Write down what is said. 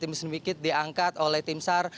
demi sedikit diangkat oleh tim sar